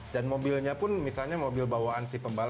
dan mobilnya pun bisa di setel